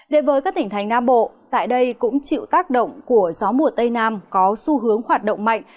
đến với các tỉnh thành nam bộ tại đây cũng chịu tác động của gió mùa tây nam có xu hướng hoạt động mạnh